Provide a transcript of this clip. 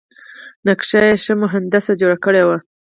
نقشه یې ښه مهندس جوړه کړې وه.